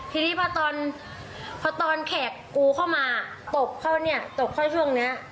ทีนี้พอตอนแขกกูเข้ามาตบเข้าช่วงนี้